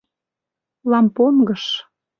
— Лампонгыш!..